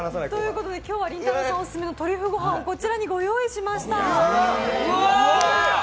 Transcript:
今日はりんたろーさんオススメのトリュフご飯をご用意しました。